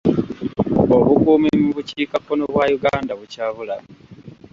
Obukuumi mu bukiikakkono bwa Uganda bukyabulamu.